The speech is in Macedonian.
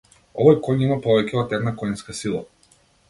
Овој коњ има повеќе од една коњска сила.